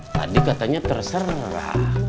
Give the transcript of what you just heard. tadi katanya terserah